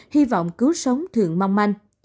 hy vọng cứu sống thường mong manh